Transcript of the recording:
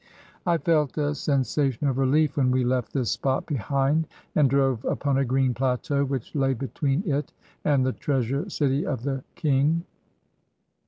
I felt a sen sation of relief when we left this spot behind, and drove upon a green plateau which lay between it and the treasure city of the king.